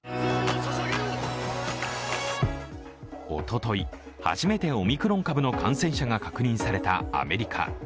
おととい、初めてオミクロン株の感染者が確認されたアメリカ。